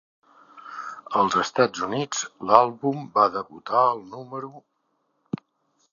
Als Estats Units, l'àlbum va debutar al número.